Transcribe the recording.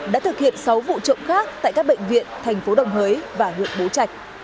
đã thực hiện sáu vụ trộm khác tại các bệnh viện thành phố đồng hới và huyện bố trạch